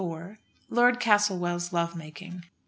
LORD CASTLEWELL'S LOVE MAKING.